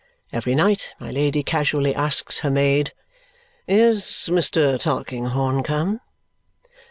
Every night my Lady casually asks her maid, "Is Mr. Tulkinghorn come?"